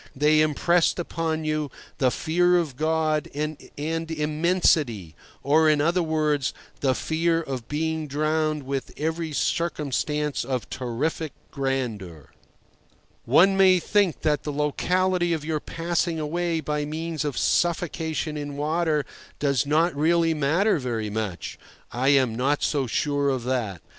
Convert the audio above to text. They impressed upon you the fear of God and Immensity—or, in other words, the fear of being drowned with every circumstance of terrific grandeur. One may think that the locality of your passing away by means of suffocation in water does not really matter very much. I am not so sure of that.